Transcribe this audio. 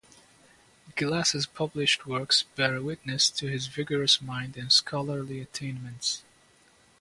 Glas's published works bear witness to his vigorous mind and scholarly attainments.